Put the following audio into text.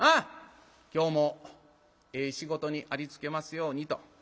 今日もええ仕事にありつけますようにと。